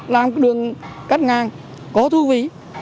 làm đường cắt ngang có thư vĩ